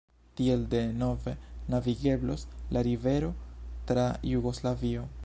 Tiel denove navigeblos la rivero tra Jugoslavio.